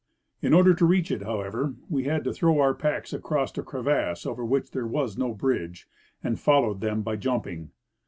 In order to reach it, however, we had to throw our packs across a crevasse over which there was no bridge, and followed them by jumping.